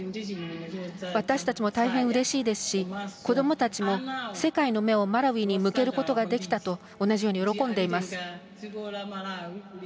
私たちも大変うれしいですし子どもたちも世界の目をマラウイに向けることができたと同じように喜んでいます。